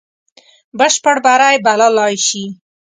بشپړ بری بللای سي.